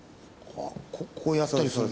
こうやったりするんだ？